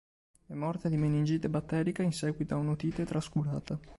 È morta di meningite batterica in seguito a un'otite trascurata.